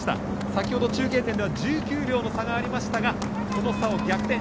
先ほど中継点では１９秒の差がありましたがその差を逆転。